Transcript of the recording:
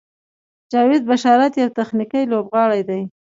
جاوید بشارت یو تخنیکي لوبغاړی دی.